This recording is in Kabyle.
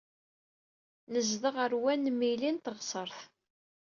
Nezdeɣ ar wanmili n teɣsert.